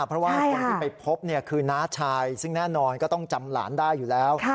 เพราะว่าคนที่ไปพบคือน้าชายซึ่งแน่นอนก็ต้องจำหลานได้อยู่แล้ว